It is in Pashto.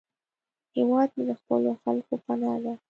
هیواد مې د خپلو خلکو پناه ده